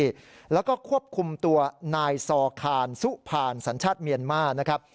แล้วก็ควบคุมตัวนายซอคานซุผ่านสัญชาติเมียนมานะครับ